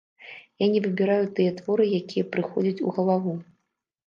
Я не выбіраю тыя творы, якія прыходзяць у галаву.